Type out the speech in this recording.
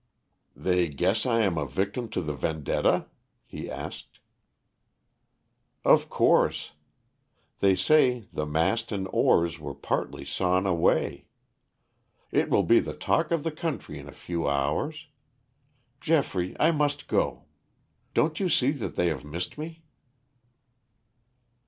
"They guess I am a victim to the vendetta?" he asked. "Of course. They say the mast and oars were partly sawn away. It will be the talk of the country in a few hours. Geoffrey, I must go. Don't you see that they have missed me?"